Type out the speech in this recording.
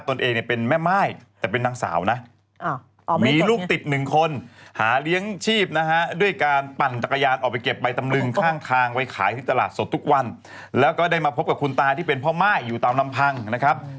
จึงต้องยอมปล่อยให้งูเหลือมไขย่อนแมวออกมาก่อนเป็นตัวแรก